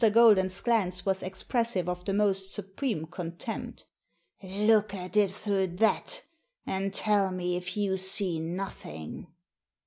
Golden's glance was expressive of the most supreme contempt. "Look at it through that, and tell me if you see nothing."